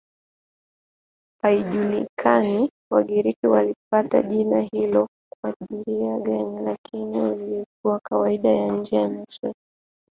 Haijulikani Wagiriki walipata jina hilo kwa njia gani, lakini lilikuwa kawaida nje ya Misri.